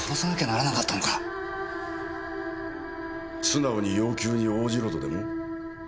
素直に要求に応じろとでも？